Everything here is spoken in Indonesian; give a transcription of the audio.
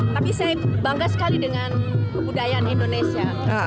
tapi saya bangga sekali dengan kebudayaan indonesia